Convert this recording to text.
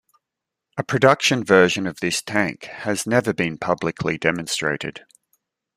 A production version of this tank has never been publicly demonstrated.